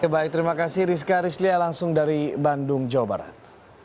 baik terima kasih rizka rizlia langsung dari bandung jawa barat